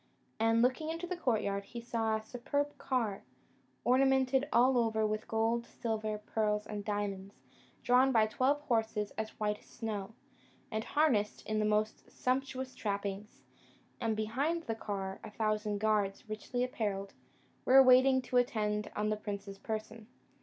And, looking into the courtyard, he saw a superb car, ornamented all over with gold, silver, pearls, and diamonds, drawn by twelve horses as white as snow, and harnessed in the most sumptuous trappings; and behind the car a thousand guards, richly apparelled, were waiting to attend on the prince's person.